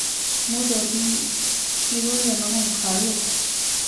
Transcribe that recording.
މޫދު އޮތީ ކިރުޅިޔަމަހުން ކަޅުވެފަ